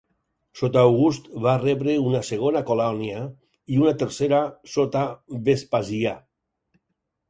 Sota August va rebre una segona colònia, i una tercera sota Vespasià.